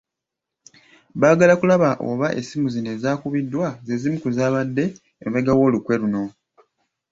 Baagala kulaba oba essimu zino ezaakubiddwa ze zimu ku zaabadde emabega w’olukwe luno.